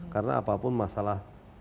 karena apapun masalah